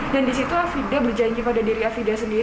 dan di situ afida berjanji pada diri afida sendiri